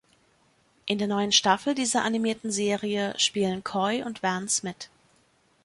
In der neuen Staffel dieser animierten Serie spielen Coy und Vance mit.